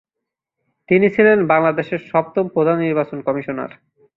তিনি ছিলেন বাংলাদেশের সপ্তম প্রধান নির্বাচন কমিশনার।